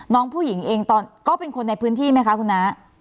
น้องผู้หญิงเองตอนก็เป็นคนในพื้นที่ไหมคะคุณน้า